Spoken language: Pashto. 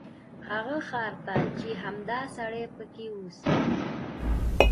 هغه ښار ته چې همدا سړی پکې اوسي.